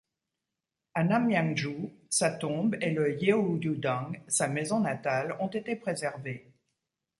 A Namyangju, sa tombe et le Yeoyudang, sa maison natale, ont été préservés.